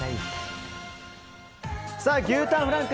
牛たんフランク